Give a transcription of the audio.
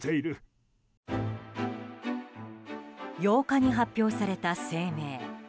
８日に発表された声明。